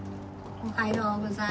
おはようございます。